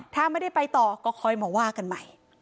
ถ้าไม่ได้ไปต่อก็ค่อยมาว่ากันใหม่